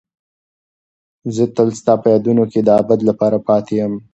زه تل ستا په یادونو کې د ابد لپاره پاتې یم.